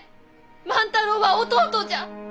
万太郎は弟じゃ！